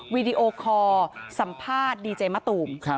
วีดีโอคอร์สัมภาษณ์ดีเจมะตูม